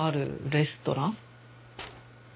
レストラン。